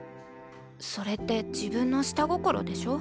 それって自分の下心でしょ？